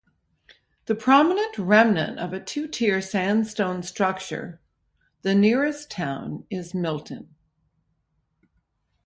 The prominent remnant of a two tier sandstone structure, the nearest town is Milton.